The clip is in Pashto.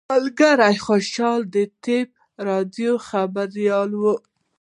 ملګري خوشحال طیب راډیو خبریال و.